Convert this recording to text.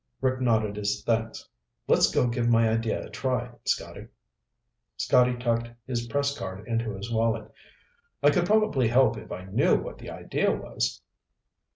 Rick nodded his thanks. "Let's go give my idea a try, Scotty." Scotty tucked his press card into his wallet. "I could probably help if I knew what the idea was."